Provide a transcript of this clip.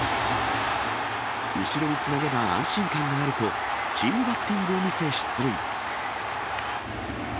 後ろにつなげば安心感があると、チームバッティングを見せ出塁。